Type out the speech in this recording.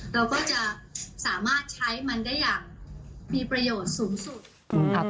เราก็จะสามารถใช้มันได้อย่างมีประโยชน์สูงสุดครับ